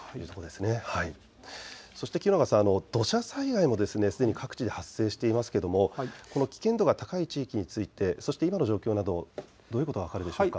そして清永さん、土砂災害もすでに各地で発生していますがこの危険度が高い地域についてそして今の状況などどういうことが分かるでしょうか。